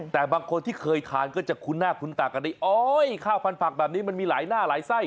แต่บางคนที่เคยทานก็จะคุ้นหน้าคุ้นตากันได้โอ๊ยข้าวพันผักแบบนี้มันมีหลายหน้าหลายไส้